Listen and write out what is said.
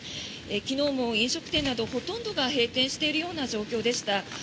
昨日も飲食店などほとんどが閉店しているような状況でした。